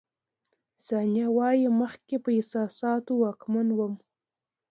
ثانیه وايي، مخکې په احساساتو واکمن وم.